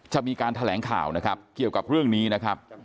จะมีการแถลงข่าวนะครับเกี่ยวกับเรื่องนี้นะครับ